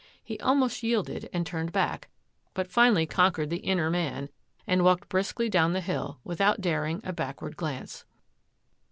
He almost yielded and turned back, but finally conquered the inner man and walked briskly down the hill without daring a backward glance.